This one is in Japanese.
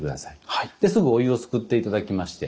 すぐお湯をすくって頂きまして。